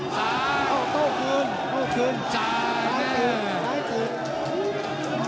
โต้คืนโต้คืนซ้ายเตะซ้ายเตะ